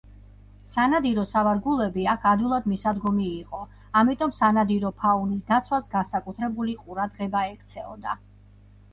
სანადირო სავარგულები აქ ადვილად მისადგომი იყო, ამიტომ სანადირო ფაუნის დაცვას განსაკუთრებული ყურადღება ექცეოდა.